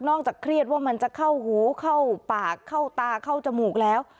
จากเครียดว่ามันจะเข้าหูเข้าปากเข้าตาเข้าจมูกแล้ว